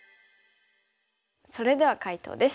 それでは解答です。